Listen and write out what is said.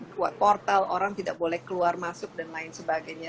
buat portal orang tidak boleh keluar masuk dan lain sebagainya